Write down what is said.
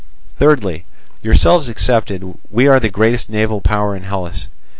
Thirdly, yourselves excepted, we are the greatest naval power in Hellas.